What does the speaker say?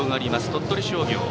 鳥取商業。